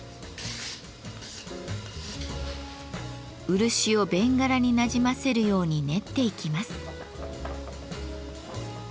漆をベンガラになじませるように練っていきます。